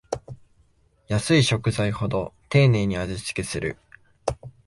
安い食材ほど丁寧に味つけする